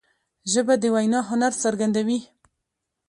ژبه د وینا هنر څرګندوي